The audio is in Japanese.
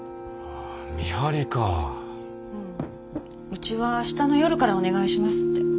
うちは明日の夜からお願いしますって。